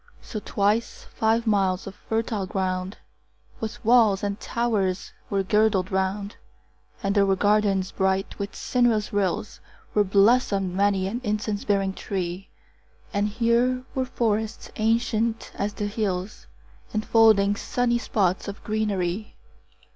5 So twice five miles of fertile ground With walls and towers were girdled round: And there were gardens bright with sinuous rills Where blossom'd many an incense bearing tree; And here were forests ancient as the hills, 10 Enfolding sunny spots of greenery.